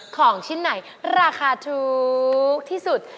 ของชิ้นไหนราคาถูกที่สุด